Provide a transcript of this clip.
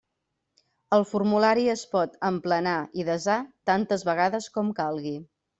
El formulari es pot emplenar i desar tantes vegades com calgui.